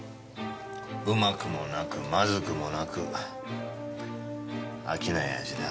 うまくもなくまずくもなく飽きない味だ。